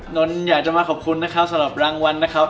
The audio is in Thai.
นนท์อยากจะมาขอบคุณนะครับสำหรับรางวัลนะครับ